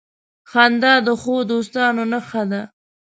• خندا د ښو دوستانو نښه ده.